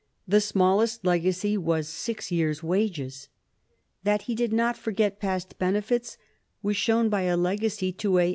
The smallest legacy was six years' wages. That he did not forget past benefits was shown by a legacy to a M.